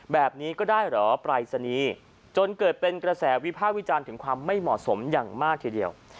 แบบนี้ก็ได้เหรอปรายศนีย์จนเกิดเป็นกระแสวิภาควิจารณ์ถึงความไม่เหมาะสมอย่างมากทีเดียว